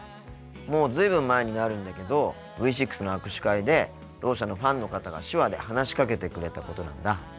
もう随分前になるんだけどＶ６の握手会でろう者のファンの方が手話で話しかけてくれたことなんだ。